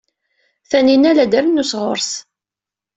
Taninna la d-trennu sɣur-s.